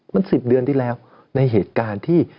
เมื่อสิบเดือนที่แล้วในเหตุการณ์ที่